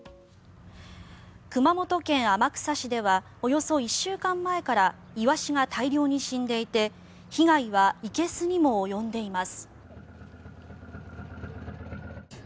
熊本県天草市ではおよそ１週間前からイワシが大量に死んでいて被害はいけすにも及んでいます。